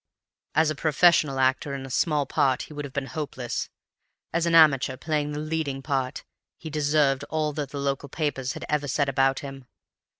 As a professional actor in a small part he would have been hopeless; as an amateur playing the leading part, he deserved all that the local papers had ever said about him.